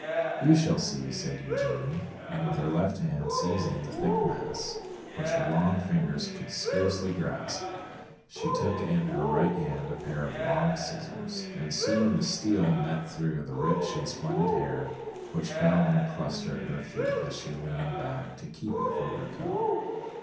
"You shall see," said Eugénie. And with her left hand seizing the thick mass, which her long fingers could scarcely grasp, she took in her right hand a pair of long scissors, and soon the steel met through the rich and splendid hair, which fell in a cluster at her feet as she leaned back to keep it from her coat.